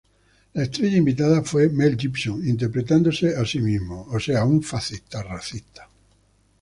La estrella invitada fue Mel Gibson, interpretándose a sí mismo.